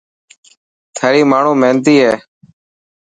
ٿري ماڻهو محنتي هي.